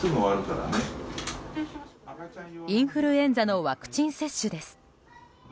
インフルエンザのワクチン接種です。